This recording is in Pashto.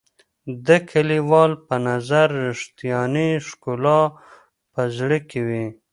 د لیکوال په نظر رښتیانۍ ښکلا په زړه کې وي.